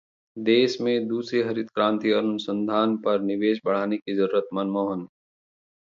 देश में दूसरी हरित क्रांति और अनुसंधान पर निवेश बढ़ाने की जरुरत: मनमोहन